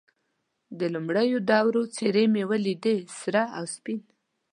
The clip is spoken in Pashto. د لومړیو دوو څېرې مې یې ولیدې، سره او سپین.